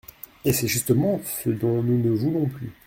Et c’est justement ce dont nous ne voulons plus.